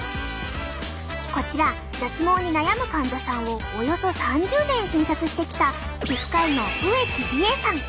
こちら脱毛に悩む患者さんをおよそ３０年診察してきた皮膚科医の植木理恵さん。